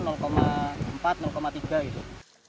nah tiga itu